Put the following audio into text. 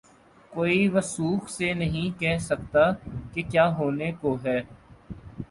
کوئی وثوق سے نہیں کہہ سکتا کہ کیا ہونے کو ہے۔